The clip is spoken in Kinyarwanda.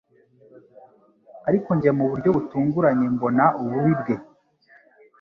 Ariko njye mu buryo butunguranye mbona ububi bwe